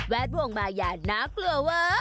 แวดวงมาอย่านักเหลือเว้อ